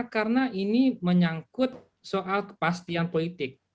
karena ini menyangkut soal kepastian politik